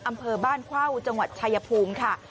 อำเภอบ้านเข้าจังหวัดชายภูมิค่ะ